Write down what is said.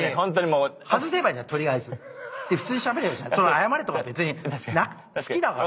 謝れとか別に好きだから。